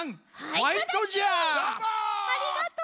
ありがとう！